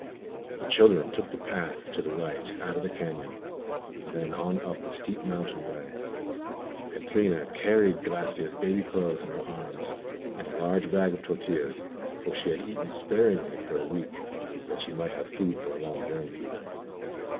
The children took the path to the right out of the cañon, then on up the steep mountain way. Catrina carried Gracia's baby clothes in her arms, and a large bag of tortillas, for she had eaten sparingly for a week, that she might have food for a long journey.